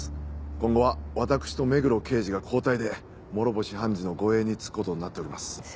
今後は私と目黒刑事が交代で諸星判事の護衛につく事になっております。